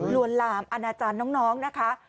วนลามอาณาจารย์น้องนะคะ